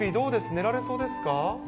寝られそうですか？